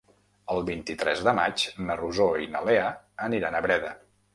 El vint-i-tres de maig na Rosó i na Lea aniran a Breda.